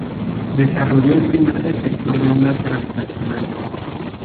Desarrolló el primer detector de ondas gravitacionales.